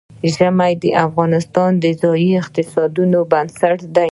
ژبې د افغانستان د ځایي اقتصادونو بنسټ دی.